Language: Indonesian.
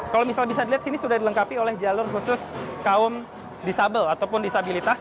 kalau misalnya bisa dilihat sini sudah dilengkapi oleh jalur khusus kaum disabel ataupun disabilitas